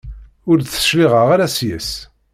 Ur d-tecliɛeḍ ara seg-s.